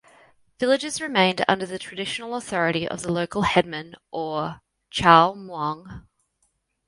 Villages remained under the traditional authority of the local headmen or "chao muang".